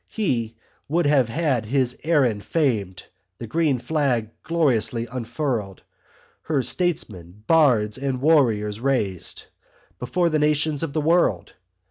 He would have had his Erin famed, The green flag gloriously unfurled, Her statesmen, bards and warriors raised Before the nations of the World.